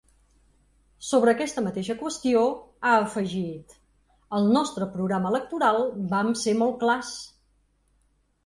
Sobre aquesta mateixa qüestió, ha afegit: Al nostre programa electoral vam ser molt clars.